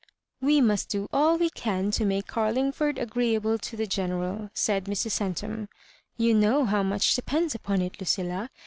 " We must do all we can to make Carlingford agreeable to the Greneral,^ said Mrs. Centum. "You know how much depends upon it, Lucilla.